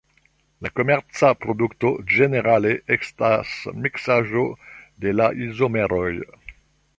La komerca produkto ĝenerale estas miksaĵo de la izomeroj.